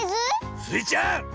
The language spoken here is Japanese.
スイちゃん